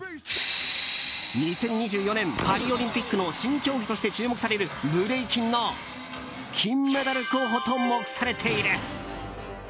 ２０２４年パリオリンピックの新競技として注目されるブレイキンの金メダル候補と目されている。